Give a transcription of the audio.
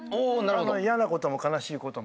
嫌なことも悲しいことも。